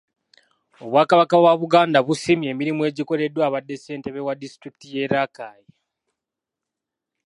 Obwakabaka bwa Buganda busiimye emirimu egikoleddwa abadde ssentebe wa disitulikiti y'e Rakai